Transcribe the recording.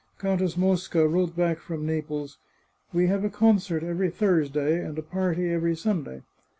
Countess Mosca wrote back from Naples :" We have a concert every Thurs day, and a party every Sunday.